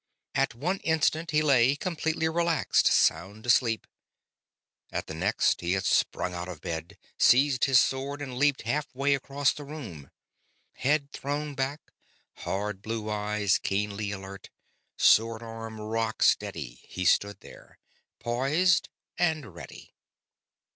At one instant he lay, completely relaxed, sound asleep; at the next he had sprung out of bed, seized his sword and leaped half way across the room. Head thrown back, hard blue eyes keenly alert, sword arm rock steady he stood there, poised and ready.